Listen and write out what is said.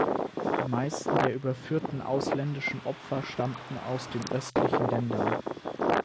Die meisten der überführten ausländischen Opfer stammten aus den östlichen Ländern.